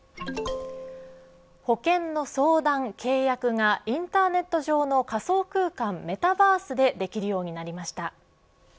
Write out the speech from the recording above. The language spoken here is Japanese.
保険の相談、契約がインターネット上の仮想空間メタバースでできるようになりました。